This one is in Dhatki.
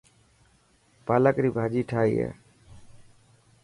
پالڪ ري ڀاڄي ٺاهي هي.